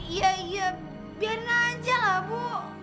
iya iya biarin aja lah bu